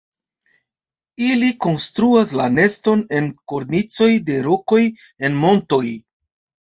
Ili konstruas la neston en kornicoj de rokoj en montoj.